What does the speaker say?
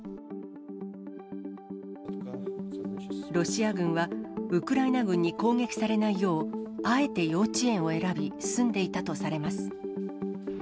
ロシア軍はウクライナ軍に攻撃されないよう、あえて幼稚園を選び、住んでいたとされます。